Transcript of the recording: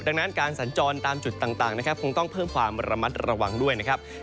ดังนั้นการสัญจรตามจุดต่างนะครับคงต้องเพิ่มความระมัดระวังด้วยนะครับ